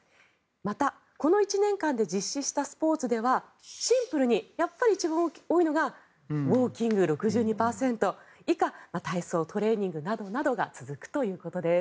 また、この１年間で実施したスポーツではシンプルにやっぱり一番多いのがウォーキング６２％以下、体操、トレーニングなどが続くということです。